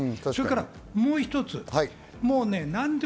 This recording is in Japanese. それからもう一つ。